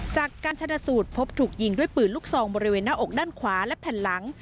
จากการชนะสูตรพบถูกยิงด้วยปืนลูกซองบริเวณหน้าอกด้านขวาและแผ่นหลัง